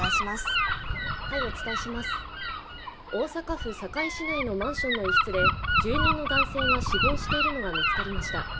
大阪府堺市内のマンションの一室で住人の男性が死亡しているのが見つかりました。